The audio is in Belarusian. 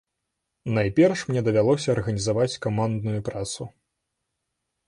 Найперш мне давялося арганізаваць камандную працу.